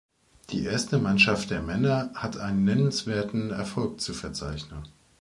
Die erste Mannschaft der Männer hat einen nennenswerten Erfolg zu verzeichnen.